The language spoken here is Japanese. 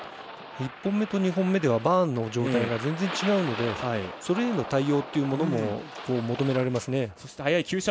１本目と２本目ではバーンの状態が全然違うのでそれへの対応というものも求められますね。